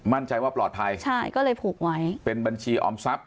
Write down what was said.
มั่นใจว่าปลอดภัยใช่ก็เลยผูกไว้เป็นบัญชีออมทรัพย